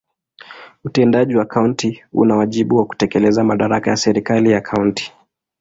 Utendaji wa kaunti una wajibu wa kutekeleza madaraka ya serikali ya kaunti.